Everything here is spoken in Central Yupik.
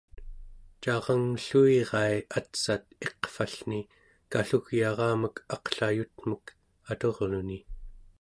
caranglluirai atsat iqvallni kallugyaramek aqlayutmek aturluni